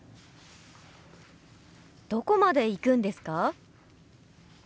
どこまで行くんですか？